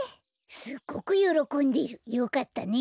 すっごくよろこんでる。よかったね。